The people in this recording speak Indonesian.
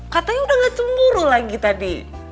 katanya udah gak cemburu lagi tadi